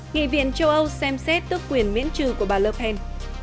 nghị viện châu âu xem xét tước quyền miễn trừ của bà le pen